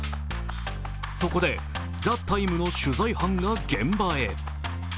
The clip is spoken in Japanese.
そこで「ＴＨＥＴＩＭＥ，」の取材班が現場へ。